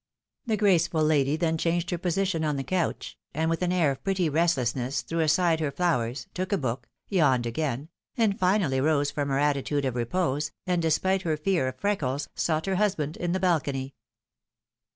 The graceful lady then changed her posi tion on the couch, and with an air of pretty restlessness threw aside her flowers, took a book, yawned again, and finally rose from her attitude of repose, and despite her fear of freckles, sought her husband in the balcony.